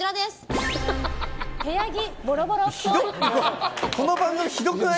部屋着ボロボロっぽい。